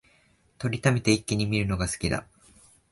録りためて一気に観るのが好きだ